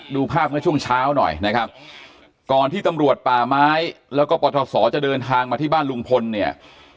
ดูภาพเมื่อช่วงเช้าหน่อยนะครับก่อนที่ตำรวจป่าไม้แล้วก็ปทศจะเดินทางมาที่บ้านลุงพลเนี่ย